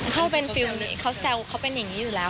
เขาเป็นฟิล์นี้เขาแซวเขาเป็นอย่างนี้อยู่แล้ว